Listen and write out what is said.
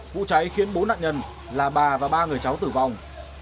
vụ cháy khiến bốn nạn nhân là bà và ba người cháu tử vong